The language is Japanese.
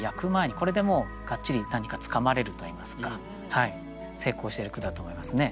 これでもうがっちり何かつかまれるといいますか成功している句だと思いますね。